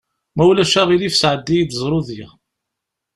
Ma ulac aɣilif sɛeddi-yi-d ẓrudya.